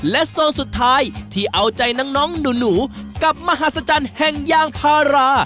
โซนสุดท้ายที่เอาใจน้องหนูกับมหัศจรรย์แห่งยางพารา